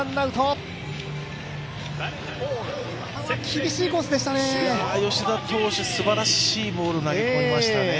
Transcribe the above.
厳しいコースでしたね。